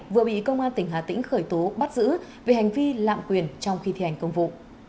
vừa bị công an tỉnh hà tĩnh khởi tố bắt giữ về hành vi lạm quyền trong khi thi hành công vụ